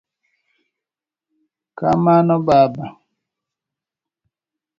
Kamano Baba.